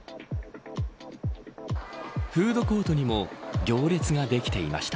フードコートにも行列ができていました。